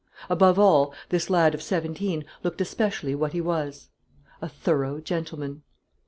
Above all, this lad of seventeen looked especially what he was, a thorough gentleman.